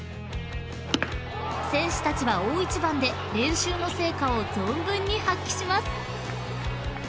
［選手たちは大一番で練習の成果を存分に発揮します］